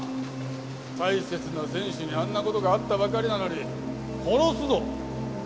大切な選手にあんな事があったばかりなのに「殺すぞ」。